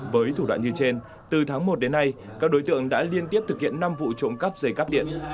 với thủ đoạn như trên từ tháng một đến nay các đối tượng đã liên tiếp thực hiện năm vụ trộm cắp dây cắp điện